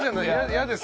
嫌ですか？